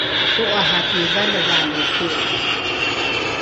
to’araki valevale pi’a